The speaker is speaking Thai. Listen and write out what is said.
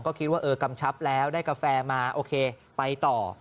ก็คิดว่าเออกำชับแล้วได้กาแฟมาโอเคไปต่อ